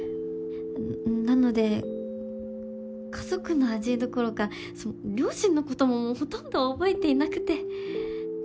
なので家族の味どころか両親のこともほとんど覚えていなくて。